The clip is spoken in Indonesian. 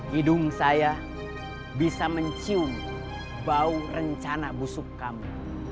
hidung saya bisa mencium bau rencana busuk kami